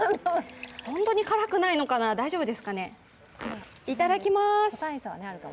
本当に辛くないのかな、大丈夫ですかね。